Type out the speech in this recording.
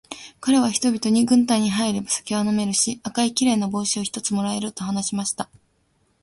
かれは人々に、軍隊に入れば酒は飲めるし、赤いきれいな帽子を一つ貰える、と話しました。